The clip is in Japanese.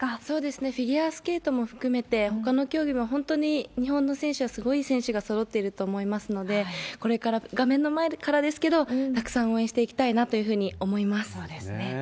そうですね、フィギュアスケートも含めて、ほかの競技も本当に日本の選手はすごいいい選手がそろっていると思いますので、これから画面の前からですけど、たくさん応援してそうですね。